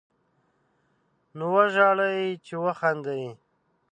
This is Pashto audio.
نو وژاړئ، چې وخاندئ